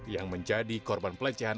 yang menjadi korban pelecehan